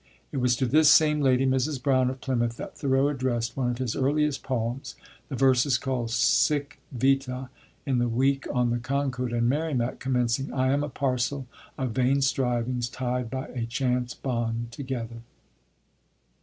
It was to this same lady (Mrs. Brown, of Plymouth) that Thoreau addressed one of his earliest poems, the verses called "Sic Vita," in the "Week on the Concord and Merrimac," commencing: "I am a parcel of vain strivings, tied By a chance bond together."